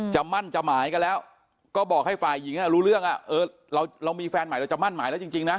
มั่นจะหมายกันแล้วก็บอกให้ฝ่ายหญิงรู้เรื่องเรามีแฟนใหม่เราจะมั่นหมายแล้วจริงนะ